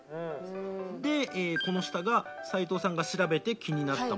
でこの下が齊藤さんが調べて気になったものなんですが。